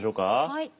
はい。